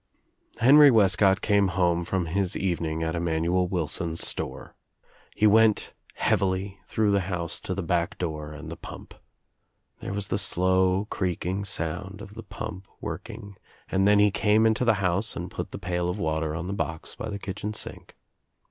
Henry Wescott came home from his evening at Emanuel Wilson's store. He went heavily through the 264 THE TRIUMPH OF THE EGG house to the back door and the pump. There was tlw slow creaking sound of the pump working and then he came into the house and put the pai! of water on the box by the kitchen sink.